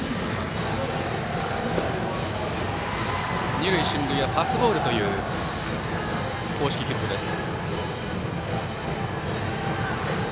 二塁進塁はパスボールという公式記録です。